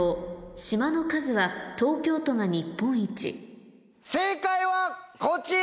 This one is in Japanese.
「島の数」は東京都が日本一正解はこちら！